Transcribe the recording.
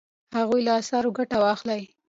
د هغوی له اثارو ګټه واخلئ.